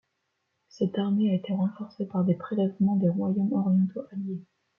Cette armée a été renforcée par des prélèvements des royaumes orientaux alliés.